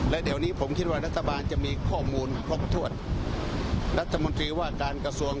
และเดี๋ยวนี้ผมคิดว่ารัฐบาลจะมีข้อมูลครบถ้วนรัฐมนตรีว่าการกระทรวง